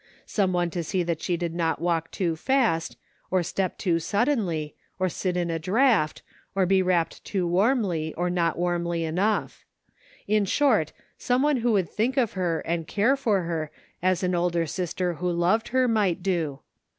Some one to see that she did not walk too fast, or step too suddenly, or sit in a draught, or be wrapped too warmly, or not warmly enough; in short, BOrae one who would think ior her, and <iare i^t 17« ''SO TOU WANT TO GO HOME?'' her as an older sister who loved her might do.